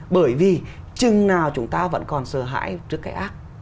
bởi vì chừng nào chúng ta vẫn còn sợ hãi trước cái ác